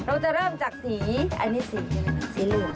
อันนี้สีอะไรสีเหลือง